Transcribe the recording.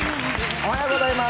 おはようございます。